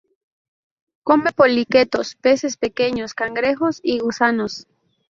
Come poliquetos, peces pequeños, cangrejos y gusanos.